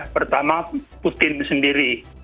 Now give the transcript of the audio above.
pertama putin sendiri